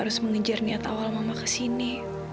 ini dari kantor kami